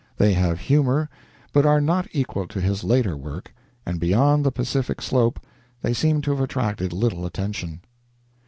They have humor, but are not equal to his later work, and beyond the Pacific slope they seem to have attracted little attention.